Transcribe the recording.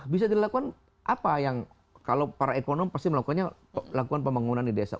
bisa dilakukan apa yang kalau para ekonom pasti melakukannya lakukan pembangunan di desa